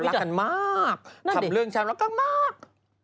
รักกันมากทำเรื่องฉันรักกันมาก